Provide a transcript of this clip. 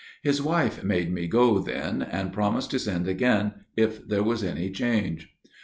His wife made me go then, and promised to send again if there was any change.